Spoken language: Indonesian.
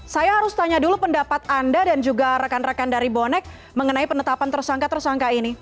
saya harus tanya dulu pendapat anda dan juga rekan rekan dari bonek mengenai penetapan tersangka tersangka ini